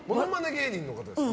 芸人の方ですよね。